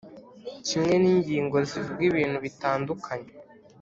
kimwe n’ingingo zivuga ibintu bitandukanye,